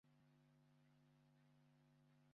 Nageze hano .